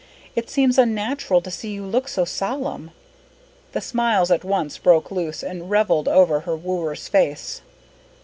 It seems unnatural to see you look so solemn." The smiles at once broke loose and revelled over her wooer's face.